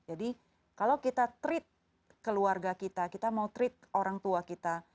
jadi kalau kita treat keluarga kita kita mau treat orang tua kita